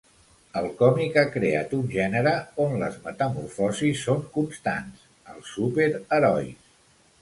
El còmic ha creat un gènere on les metamorfosis són constants: els superherois.